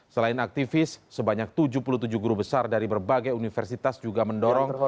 selain aktivis sebanyak tujuh puluh tujuh guru besar dari berbagai universitas juga mendorong